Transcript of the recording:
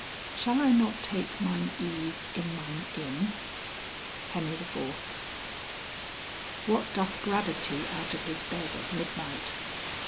"Shall I not take mine ease in mine inn?" HEN. IV. "What doth gravity out of his bed at midnight?"